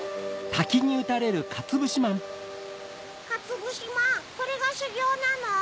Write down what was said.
かつぶしまんこれがしゅぎょうなの？